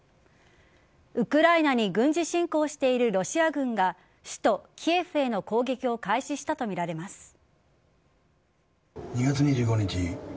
ウクライナに軍事侵攻しているロシア軍が首都・キエフへの攻撃を開始したとみられます。